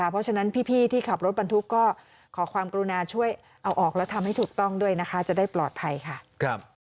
เพราะฉะนั้นพี่ที่ขับรถบรรทุกก็ขอความกรุณาช่วยเอาออกแล้วทำให้ถูกต้องด้วยนะคะจะได้ปลอดภัยค่ะ